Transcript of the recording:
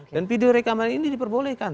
dan video rekaman ini diperbolehkan